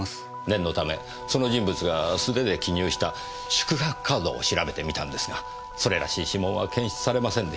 念のためその人物が素手で記入した宿泊カードを調べてみたんですがそれらしい指紋は検出されませんでした。